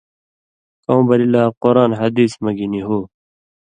کؤں بلی لا قران حدیث مہ گی نی ہو